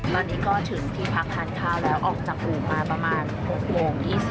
ตอนนี้ก็ถึงที่พักทานข้าวแล้วออกจากอู่มาประมาณ๖โมง๒๐